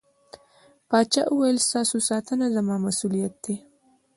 پاچا وويل: ستاسو ساتنه زما مسووليت دى.